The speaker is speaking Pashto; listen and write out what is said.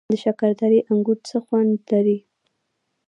د شکردرې انګور څه خوند لري؟